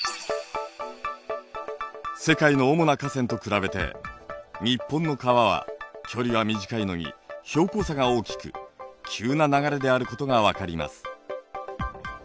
世界の主な河川と比べて日本の川は距離は短いのに標高差が大きく急な流れであることが分かります。